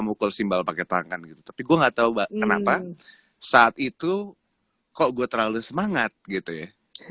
mukul simbal pakai tangan gitu tapi gue nggak tahu mbak kenapa saat itu kok gue terlalu semangat gitu ya